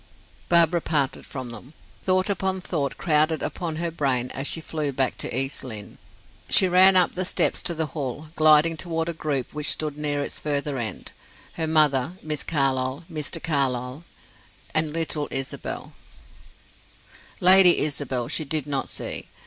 Barbara parted from them. Thought upon thought crowded upon her brain as she flew back to East Lynne. She ran up the steps to the hall, gliding toward a group which stood near its further end her mother, Miss Carlyle, Mr. Carlyle, and little Isabel; Lady Isabel she did not see.